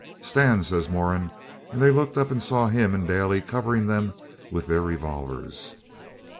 'Stand!' says Moran, and they looked up and saw him and Daly covering them with their revolvers.